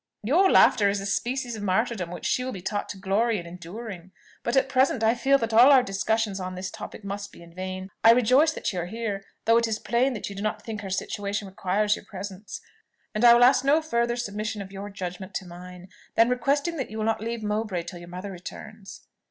"Your laughter is a species of martyrdom which she will be taught to glory in enduring. But at present I feel sure that all our discussions on this topic must be in vain. I rejoice that you are here, though it is plain that you do not think her situation requires your presence; and I will ask no further submission of your judgment to mine, than requesting that you will not leave Mowbray till your mother returns."